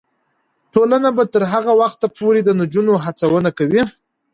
ټولنه به تر هغه وخته پورې د نجونو هڅونه کوي.